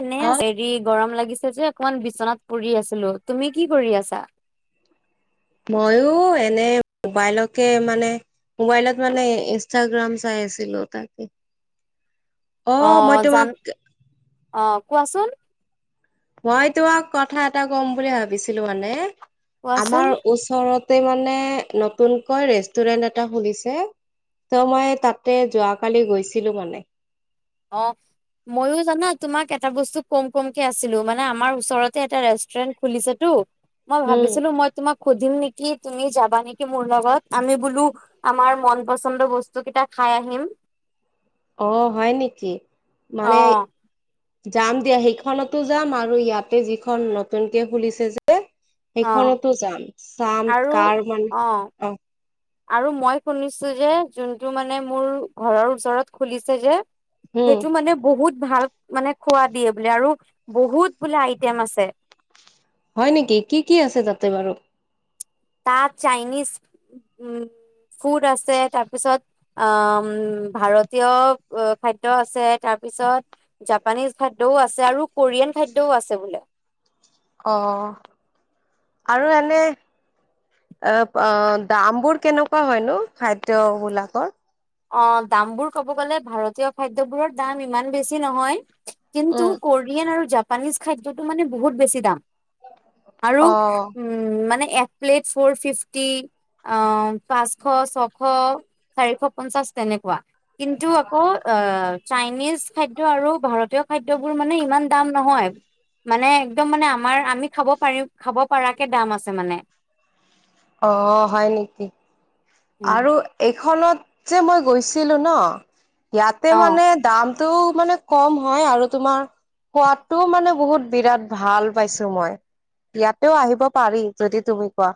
এনেই অ', আছে হেৰি গৰম লাগি লগিছে যে অকমান বিচনাত পৰি আছিলো তুমি কি কৰি আছা? মইয়ো এনে মোবাইলকে মানে মোবাইলত মানে ইনষ্টাগ্ৰাম চাই আছিলো তাকেই। অ' মই তোমাক অ' কোৱাচোন? মই তোমাক কথা এটা ক'ম বুলি ভাবিছিলো মানে। কোৱাচোন আমাৰ ওচৰত তাতে মানে নতুনকৈ ৰেষ্টুৰেন্ট এটা খুলিছে ত মই তাতে যোৱাকালি গৈছিলো মানে। অ, মইো জানা তোমাক এটা বস্তু কম কমকে আছিলো মানে আমাৰ ওচৰতে এটা ৰেষ্টুৰেন্ট খুলিছেতো মই উম ভাবিছিলো মই তোমাক সুধিম নেকি তুমি যাবা নেকি মোৰ লগত আমি বোলো আমাৰ মন পছন্দ বস্তু কেইটা খাই আহিম। অ হয় নেকি। মানেই অ' যাম দিয়া সেইখনতো যাম আৰু ইয়াতে যিখন নতুনকে খুলিছে যে। অ' সেইখনতো যাম চাম আৰু কাৰ মানে, অ। আৰু মই শুনিছো যে যোনটো মানে মোৰ ঘৰৰ ওচৰত খুলিছে যে হম সেইটো মানে বহুত ভাল মানে খোৱা দিয়ে বোলে আৰু বহুত বোলে আইটেম আছে। হয় নেকি কি কি আছে তাতে বাৰু? তাত চাইনিজ উম ফুড আছে, তাৰপিছত আম উম ভাৰতীয় অ খাদ্য আছে, তাৰপিছত জাপানিজ খাদ্যও আছে আৰু কোৰিয়ান খাদ্যও আছে বোলে। অঁ আৰু এনে অ প দামবোৰ কেনেকুৱা হয় নো খাদ্যবিলাকৰ। অঁ দামবোৰ ক'ব গলে ভাৰতীয় খাদ্যবোৰৰ দাম ইমান বেছি নহয় কিন্তু উম। কোৰিয়ান আৰু জাপ পানীজ খাদ্যটো মানে বহুত বেছি দাম। আৰু অ উম মানে এক প্লেট ফৌৰ ফিফটি, আ পাঁচশ, ছশ, চাৰিশ পঞ্চাছ তেনেকুৱা, কিন্তু আকৌ আ চাইনিজ খাদ্য আৰু ভাৰতীয় খাদ্যবোৰ মানে ইমান দাম নহয়, মানে একদম মানে আমাৰ আমি খাব পাৰি খাব পাৰাকে দাম আছে মানে। অঁ হয় নেকি। উম আৰু এইখনত যে মই গৈছিলোঁ ন ইয়াতে অ মানে দাম টো মানে কম হয় আৰু তোমাৰ খোৱাটোও মানে বহুত বিৰাট ভাল পাইছো মই, ইয়াতে আহিব পাৰি যদি তুমি কোৱা।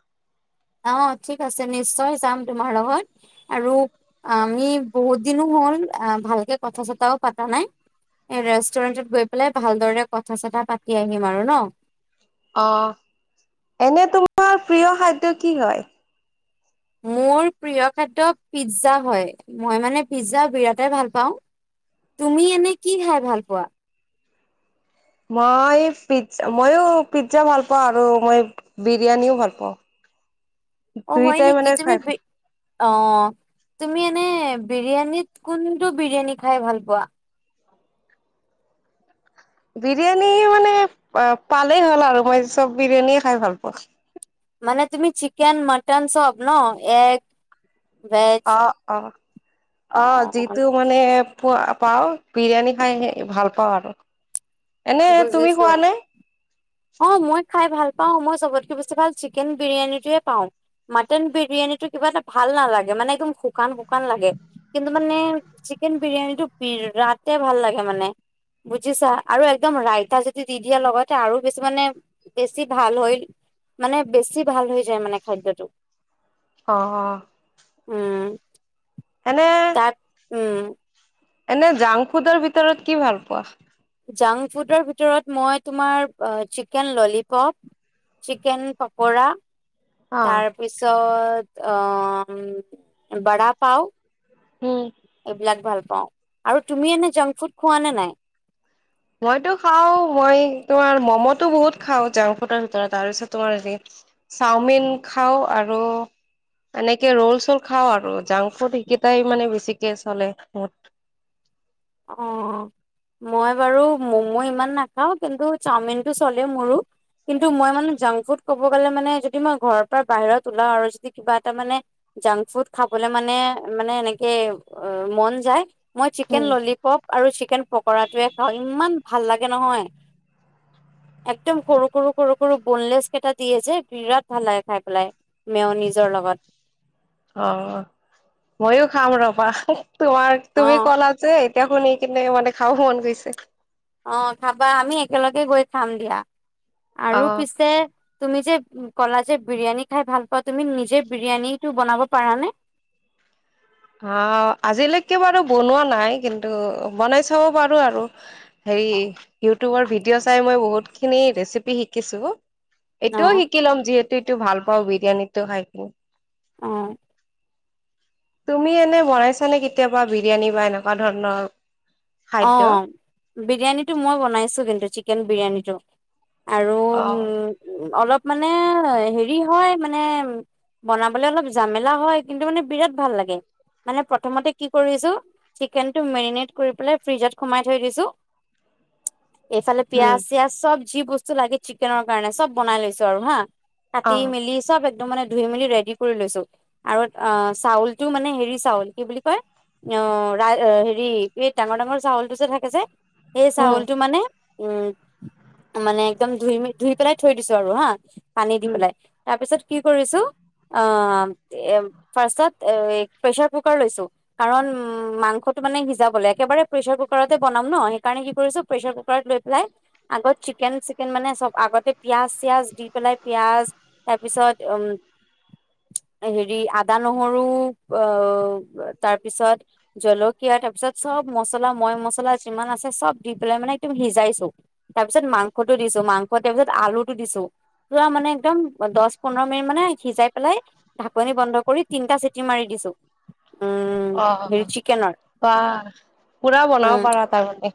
অঁ ঠিক আছে নিশ্চয় যাম তোমাৰ লগত আৰু আমি বহুত দিনো হ'ল ভালকে কথা চতাও পতা নাই, ৰেষ্টুৰেণ্টত গৈ পেলাই ভালদৰে কথা চথা পাতি আহিম আৰু ন। অঁ এনে তোমাৰ প্ৰিয় খাদ্য কি হয়। মোৰ প্ৰিয় খাদ্য পিজ্জা হয়, মই মানে পিজ্জা বিৰাটেই ভাল পাওঁ, তুমি এনে কি খাই ভাল পোৱা। মই পিজ্জ মইয়ো পিজ্জা ভাল পাওঁ আৰু মই বিৰিয়ানীও ভাল পাওঁ। দুইটাই মানে খাই খ অঁ তুমি এনে বিৰিয়ানীত কোনটো বিৰিয়ানী খাই ভাল পোৱা। বিৰিয়ানী মানে পালেই হ'ল আৰু মই চব বিৰিয়ানীয়ে খাই ভাল পাওঁ। মানে তুমি চিকেন মটন চব ন এগ ভেজ অ' অ'- অ' যিটো মানে পোৱা পাও, বিৰিয়ানী খাই হেৰি ভাল পাওঁ আৰু। এনে তুমি বুজিছো, খোৱা নে? অঁ মই খাই ভাল পাও মই চবতকে বেছি ভাল চিকেন বিৰিয়ানী য়ে পাও, মাটন বিৰিয়ানীটো কিবা এটা ভাল নালাগে মানে একদম শুকান শুকান লাগে। কিন্তু মানে চিকেন বিৰিয়ানীটো বিৰাতে ভাল লাগে মানে বুজিছা আৰু একদম ৰাইতা যদি দি দিয়া লগতে আৰু বেছি মানে বেছি ভাল হৈ মানে বেছি ভাল হৈ যায় মানে খাদ্যটো। অঁ-অঁ। উম মানে তাত, উম। এনে জাংক ফুডৰ ভিতৰত কি ভাল পোৱা। জাংক ফুডৰ ভিতৰত মই তোমাৰ চিকেন ললিপপ, চিকেন পকৰা। অ', তাৰ পিছত অ উম বাৰা পাও। উম। এইবিলাক ভাল পাওঁ। আৰু তুমি এনে জাংক ফুড খোৱা নে নাই? মইতো খাওঁ মই তোমাৰ মম'টো বহুত খাওঁ জাংক ফুডৰ ভিতৰত তাৰপিছত তোমাৰ হেৰি চাওমিন খাওঁ আৰু এনেকে ৰোল চল খাওঁ আৰু জাংক ফুড সেইকেইটাই মানে বেছিকে চলে মোৰ। অ', মই বাৰু ম'ম ইমান নাখাওঁ কিন্তু চাওমিনটো চলে মোৰো কিন্তু মই মানে জাংক ফুড ক'ব গ'লে মানে যদি মই ঘৰৰ পৰা বাহিৰত ওলাওঁ আৰু যদি কিবা এটা মানে জাংক ফুড খাবলৈ মানে মানে এনেকে মন যায়। মই চিকেন উম। ললি আৰু চিকেন পকৰাটোৱে খাওঁ ইমান ভাল লাগে নহয়। একদম সৰু সৰু সৰু সৰু বনলেছ কেইটা দিয়ে যে বিৰাট ভাল লাগে খাই পেলাই মেওনিজৰ লগত। অ', মইয়ো খাম ৰবা। তোমাৰ তুমি অ', ক'লা যে এতিয়া শুনি কিনে মানে খাব মন গৈছে। অ খাবা আমি একেলগে গৈ খাম দিয়া। আৰু অ'। পিছে তুমি যে উম ক'লা যে বিৰিয়ানী খাই ভাল পাওঁ তুমি নিজে বিৰিয়ানীটো বনাব পাৰানে? আহ আজিলৈকে বাৰু বনোৱা নাই কিন্তু বনাই চাব পাৰো আৰু। হেৰি ইউ ভিডি'অ চাই মই বহুতখিনি ৰেচিপি শিকিছো। এইটোও অ শিকি ল'ম যিহেতু- এটো ভাল পাওঁ বিৰিয়ানী খাই কিনি। অঁ তুমি এনে বনাইছা নে কেতিয়াবা, বিৰিয়ানী বা এনেকুৱা ধৰণৰ- খাদ্য? অঁ বিৰিয়ানীটো মই বনাইছো কিন্তু, চিকেন বিৰিয়ানীটো। আৰু উম অলপ- মানে, হেৰি হয় মানে, বনাবলে অলপ জামেলা হয়। কিন্তু, মানে বিৰাট ভাল লাগে। মানে, প্ৰথমতে কি' কৰিছো চিকেনটো মেৰিনেট কৰি পেলাই- ফ্ৰিজ'ত সোমাই থৈ দিছো। এইফালে উম, পিয়াজ, চিয়াজ চব- যি বস্তু লাগে, চিকেনৰ কাৰণে চব বনাই লৈছো আৰু হা। কাতি, অ', মেলি চব এক- মানে, ধুই, মেলি ৰেডি কৰি লৈছো, আৰু আ চাউলটো মানে, হেৰি চাউল কি' বুলি কয়, অঁহ হেৰি- ডাঙৰ, ডাঙৰ চাউলটো যে থাকে, যে- এই উম, চাউলটো মানে- উম' মানে, একদম ধুই, ধুই পেলাই থৈ দিছো আৰু হা। পানী দি উম। পেলাই, তাৰ পিছত কি কৰিছো, আ এ ফাৰষ্ট্ৰ'ত প্ৰেচাৰ কুকাৰ লৈছো, কাৰণ উম মাংসটো মানে, সিজাবলে। একেবাৰে প্ৰেছাৰ কুকাৰতে বনাম ন। সেইকাৰণে কি কৰিছো প্ৰেচাৰ কুকাৰত লৈ পেলাই, আগত চিকেন, চিকেন মানে, চব আগতে পিয়াজ, চিয়াজ দি পেলাই, পিয়াজ, তাৰ পিছত উ হেৰি আদা, নহৰু আ'হ তাৰপিছত জলকীয়া তাৰপিছত, চব মছলা মৈ মছলা যিমান আছে চব দি পেলাই মানে একদম সিজাইছো, তাৰ পিছত মাংসটো দিছো। মাংস, তাৰ পিছত আলুটো দিছো, পুৰা মানে একদম দহ, পোন্ধৰ মিনিট মানে সিজাই পেলাই, ঢাকনি বন্ধ কৰি তিনিটা চিটি মাৰি দিছো। উম অ', হেৰি চিকেনৰ বা পুৰা বনাব উম পাৰা, তাৰ মানে?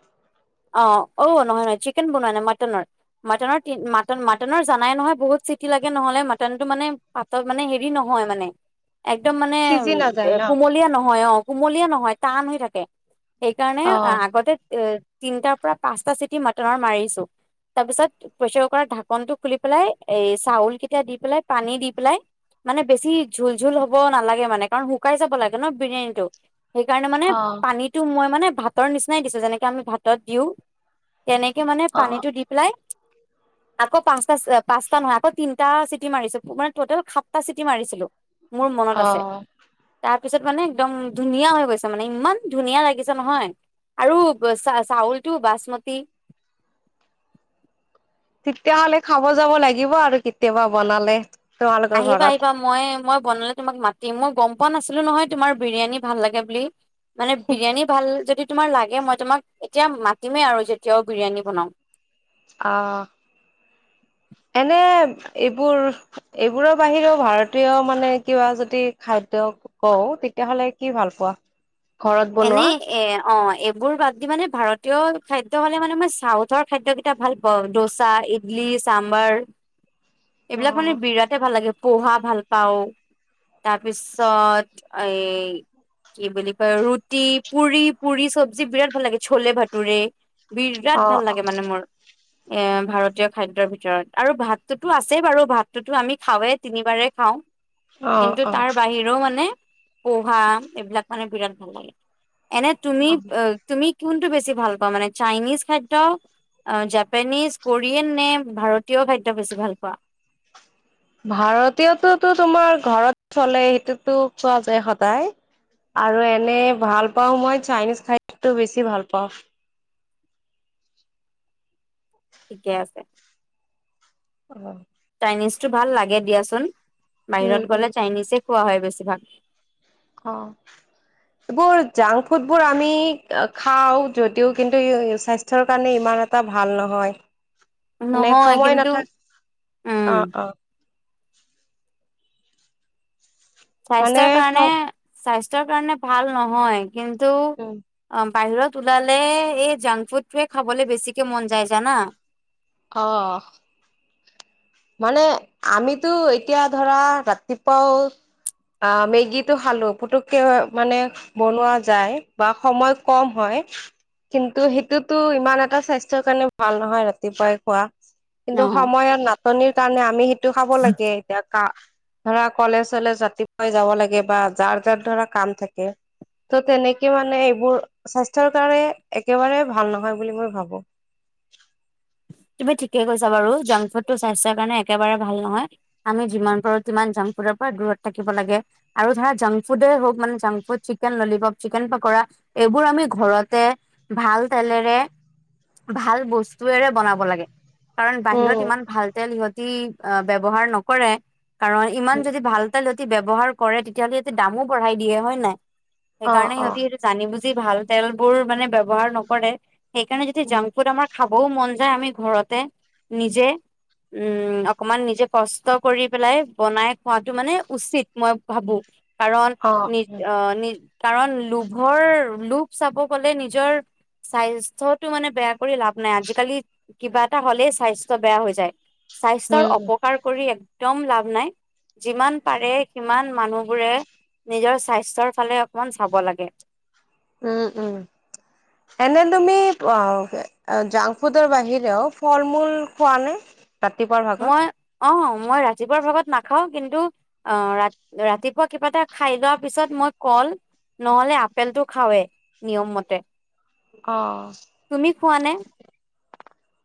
অ' অ' নহয়, নহয় চিকেন বনোৱা নাই। মাটনৰ, মাটনৰ, মাটনৰ জানাই নহয়? বহুত চিটি লাগে, নহ'লে মাটনটো মানে, পাছত মানে, হেৰি নহয় মানে। একদম মানে, সিজি নাযায় ন? কুমলীয়া নহয় অ'। কোমলিয়া নহয়, টান হৈ থাকে। সেইকাৰণে অ', আগতে- তিনটাৰ পৰা পাঁচটা চিটি মাটনৰ মাৰিছো, তাৰপিছত প্ৰেচাৰ কুকাৰত ঢাকনটো খুলি পেলাই, এই চাউল কেইটা দি পেলাই, পানী দি পেলাই, মানে, বেছি ঝোল, ঝোল হব নালাগে। মানে, কাৰণ শুকাই যাব লাগে ন' বিৰিয়ানীটো। সেইকাৰণে মানে- অ', সেটো মই মানে ভাতৰ নিচিনাই দিছো। যেনেকে, আমি ভাত'ত দিও। তেনেকে মানে অ', পানীটো দি পেলাই আকৌ পাঁচ, পাঁচটা নহয়, আকৌ তিনটা চিটি মাৰিছো। মানে, টোটেল সাতটা চিটি মাৰিছিলো। মোৰ মনত আছে। অ'। তাৰপিছত মানে, একদম ধুনীয়া হৈ গৈছে, মানে ইমান ধুনীয়া লাগিছে নহয়। আৰু চাউলটো বাচমতি তেতিয়াহলে খাব যাব লাগিব আৰু কেতিয়াবা বনালে। তোমালোকৰ আহিবা ঘৰত। আহিবা মই মই বনালে তোমাক মাতিম মই গম প পোৱা নাছিলো নহয় তোমাৰ বিৰিয়ানী ভাল লাগে বুলি। মানে বিৰিয়ানী ভাল যদি তোমাৰ লাগে মই তোমাক এতিয়া মাতিমেই আৰু যেতিয়াও বিৰিয়ানী বনাও। আহ এনে এইবোৰ এইবোৰৰ বাহিৰেও ভাৰতীয় মানে কিবা যদি খাদ্য কওঁ তেতিয়াহলে কি ভাল পোৱা? ঘৰত বনোৱা এনেই এ অ' বোৰ বাদ দি মানে ভাৰতীয় খাদ্য হ'লে মানে মই চাউথৰ খাদ্যকেইটা ভাল পাওঁ দোচা ইডলি চাম্বাৰ। এইবিলাক মানে অ', বিৰাটে ভাল লাগে। পোহা ভাল পাওঁ তাৰপিছত এ কি বুলি কয় ৰুট ৰু পুৰি পুৰি চব্জি বিৰাট ভাল লাগে চোলে ভাটুৰে। বিৰাট ভাল অ', অ', লাগে মানে মোৰ। এ ভাৰতীয় খাদ্যৰ ভিতৰত আৰু ভাতটোতো আছেই বাৰু ভাতটোতো আমি খাওঁৱে তিনিবাৰে খাওঁ। অ', কিন্তু অ', তাৰ বাহিৰেও মানে পোহা এইবিলাক মানে বিৰাট ভাল লাগে। এনে তুমি অ'। তুমি কোনটো বেছি ভাল পোৱ মানে চাইনিজ খাদ্য জাপানিজ কোৰিয়ান নে ভাৰতীয় খাদ্য বেছি ভাল পোৱা? ভাৰতীয়ততো তোমাৰ ঘৰত চলে সেইটোতো খোৱা যায় সদায় আৰু এনে ভাল পাও মই চাইনিজ খাদ্যটো বেছি ভাল পাওঁ। ঠিকে আছে। অ'। চাইনিজটো ভাল লাগে দিয়াচোন। উম, বাহিৰত উম, গ'লে চাইনিজে খোৱা হয় বেছি কিবাহ অহ এইবোৰ জাংক ফুডবোৰ আমি খাওঁ যদিও কিন্তু স্বাস্থ্যৰ কাৰণে ইমান এটা ভাল নহয়। মানে নহয় সময় কিন্তু নাথা উম অ', অ', মানে স্বাস্থ্যৰ স কাৰণে স্বাস্থ্য স্বাস্থ্যৰ কাৰণে ভাল নহয় কিন্তু উম, আ বাহিৰত ওলালে এই জাংক ফুডটোৱে খাবলৈ বেছিকে মন যায় জানা অহ মানে আমিতো এতিয়া ধৰা ৰাতিপুৱাও অহ মেগীটো খালো পুটুককে মানে বনোৱা যায় বা সময় কম হয় কিন্তু সেইটোতো ইমান এটা স্বাস্থ্যৰ কাৰণে ভাল নহয় ৰাতিপুৱাই খোৱা কিন্তু অ সময়ৰ নাট নাটনিৰ কাৰণে আমি সেইটো খাব লাগে এতিয়া ধৰা কলেজ চলেজ ৰাতিপুৱাই যাব লাগে বা যাৰ যাৰ ধৰা কাম থাকে তহ তেনেকে মানে এইবোৰ স্বাস্থ্যৰ কাৰণে এক একেবাৰে ভাল নহয় বুলি মই ভাবো তুমি ঠিকে কৈছা বাৰু জাংক ফুড টো স্বাস্থ্যৰ কাৰণে একেবাৰে ভাল নহয় আমি যিমান পাৰো সিমান জাংক ফুডৰ পৰা দূৰত থাকিব লাগে আৰু ধৰা জাংক ফুডে হওক মানে junk food chicken lollipop chicken pakora এইবোৰ আমি ঘৰতে ভাল তেলেৰে ভাল বস্তুেৰে বনাব লাগে কাৰণ বাহিৰত উম, ইমান ভাল তেল ইহ ইহ ব্যৱহাৰ নকৰে কাৰণ ইমান যদি ভাল তেল ব্যৱহাৰ কৰে তেতিয়াহ'লে ইয়াতে দামো বঢ়াই দিয়ে হয় নে নাই? সেই অ', কাৰণে অ', সিহঁতি সেইটো জানি বুজি যি ভাল তেলবোৰ মানে ব্যৱহাৰ নকৰে সেইকাৰণে যদি উম, জাংকফুড আমাৰ খাবও মন যে আমি ঘৰতে নিজে উম‌ উম অকনমান নিজে কষ্ট কৰি পেলাই বনাই খোৱাটো মানে উচিত মই ভাবোঁ। কাৰণ অ', নিজ অহ নি কাৰণ লোভৰ লোভ চাব গ'লে নিজৰ স্বাস্থ্যটো মানে বেয়া কৰি লাভ নাই। আজিকালি কিবা এটা হ'লেই স্বাস্থ্য বেয়া হৈ যায় স্বাস্থ্যৰ উম, অপকাৰ কৰি এক দম লাভ নাই। যিমান পাৰে সিমান মানুহবোৰে নিজৰ স্বাস্থ্যৰ ফালে অকনমান চাব লাগে উম উম, এনেও তুমি অহ জাংক ফুডৰ বাহিৰেও ফল-মূল খোৱানে ৰাতিপুৱাৰ ভাগত অঁ মই ৰাতিপুৱা ভাগত নাখাও। ‌ কিন্তু অঁ ৰাতিপুৱা কিবা এটা খাই লোৱাৰ পিছত মই কল নহলে আপেলটো খাওৱেই নিয়ম মতে। অঁ। খোৱানে?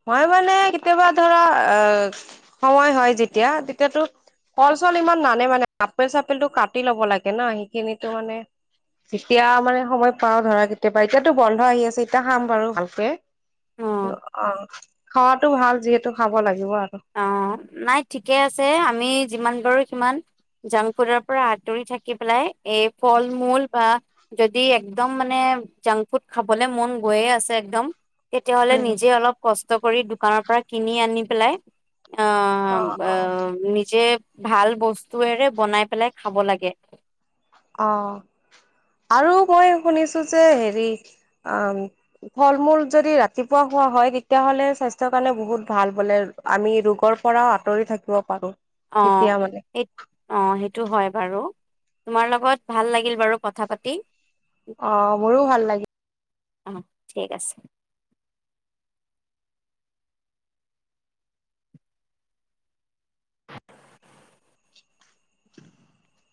মই মানে কেতিয়াবা ধৰা অ সময় হয় যেতিয়া তেতিয়াতো ফল-চল ইমান নানে মানে আপেল-চাপেলটো কাটি লব লাগে না সেইখিনিটো মানে যেতিয়া মানে সময় পাও ধৰা কেতিয়াবা এতিয়াতো বন্ধ আহি আছে এতিয়া খাম বাৰু ভালকে। অ', [unintelligible] অঁ খোৱাতো ভাল যিহেতু খাব লাগিব আৰু। অঁ নাই ঠিকে আছে আমি যিমান পাৰোঁ সিমান জাংক-ফুডৰ পৰা আঁতৰি থাকি পেলাই এই ফল-মূল বা যদি একদম মানে জাংক-ফুড খাবলৈ মন গৈয়ে আছে একদম তেতিয়াহ'লে নিজে অলপ কষ্ট কষ্ট কৰি দোকানৰ পৰা কিনি আনি পেলাই অঁ অ', ব অ', নিজে ভাল বস্তুেৰে বনাই পেলাই খাব লাগে। অ' আৰু মই শুনিছোঁ যে হেৰি অ ফল-মূল যদি ৰাতিপুৱা খোৱা হয় তেতিয়াহ'লে স্বাস্থ্যৰ কাৰণে বহুত ভাল বোলে। আমি ৰোগৰ পৰাও আঁতৰি থাকিব পাৰো। অঁ তেতিয়া মানে সেই, অঁ সেইটো হয় বাৰু তোমাৰ লগত ভাল লাগিল বাৰু কথা পাতি। অঁ মোৰো ভাল লাগিল। অঁ ঠিক আছে। [inaudible]